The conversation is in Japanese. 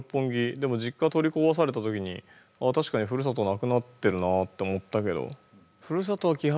でも実家取り壊された時に「ああ確かにふるさとなくなってるな」って思ったけど。